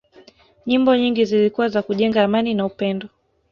nyimbo nyingi zilikuwa za kujenga amani na upendo